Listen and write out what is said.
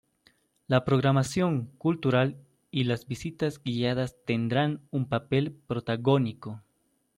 La programación cultural y las visitas guiadas tendrán un papel protagónico.